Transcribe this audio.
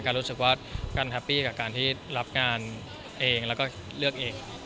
รู้สึกว่าการแฮปปี้กับการที่รับงานเองแล้วก็เลือกเอง